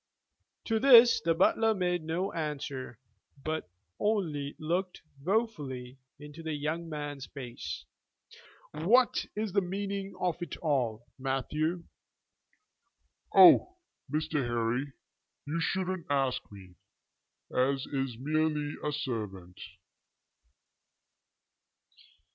To this the butler made no answer, but only looked woefully into the young man's face. "What is the meaning of it all, Matthew?" "Oh, Mr. Harry, you shouldn't ask me, as is merely a servant."